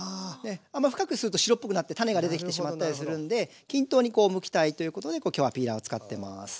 あんまり深くすると白っぽくなって種が出てきてしまったりするんで均等にむきたいということで今日はピーラーを使ってます。